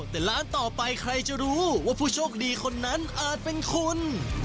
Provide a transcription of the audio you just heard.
แต่ร้านต่อไปใครจะรู้ว่าผู้โชคดีคนนั้นอาจเป็นคุณ